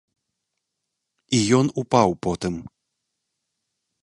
І ён упаў потым.